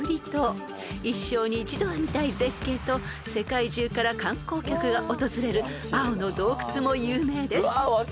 ［一生に一度は見たい絶景と世界中から観光客が訪れる青の洞窟も有名です］